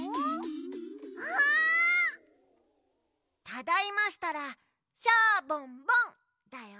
ただいましたら「シャボンボン」だよ。